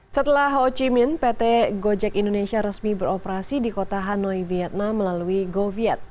setelah ho chi minh pt gojek indonesia resmi beroperasi di kota hanoi vietnam melalui goviet